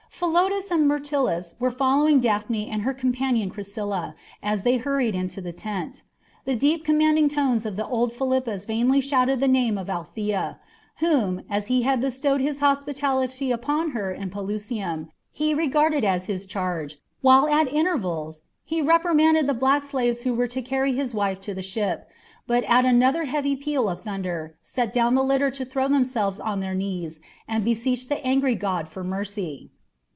Philotas and Myrtilus were following Daphne and her companion Chrysilla as they hurried into the tent. The deep, commanding tones of old Philippus vainly shouted the name of Althea, whom, as he had bestowed his hospitality upon her in Pelusium, he regarded as his charge, while at intervals he reprimanded the black slaves who were to carry his wife to the ship, but at another heavy peal of thunder set down the litter to throw themselves on their knees and beseech the angry god for mercy.